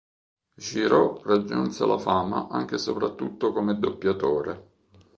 Giraud raggiunse la fama anche e soprattutto come doppiatore.